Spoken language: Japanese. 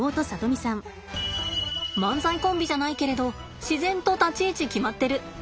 漫才コンビじゃないけれど自然と立ち位置決まってる。